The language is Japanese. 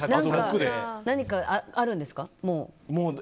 何かあるんですか？